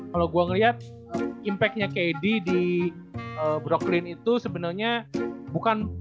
kalau gue ngeliat impactnya kd di broklin itu sebenarnya bukan